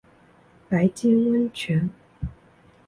白金温泉